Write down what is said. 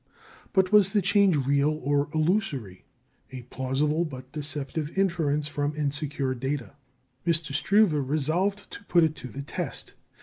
But was the change real or illusory a plausible, but deceptive inference from insecure data? M. Struve resolved to put it to the test.